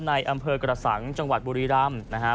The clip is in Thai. ในอำเภอกระสังจังหวัดบุรีร่ำ